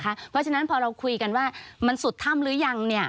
เพราะฉะนั้นพอเราคุยกันว่ามันสุดถ้ำหรือยัง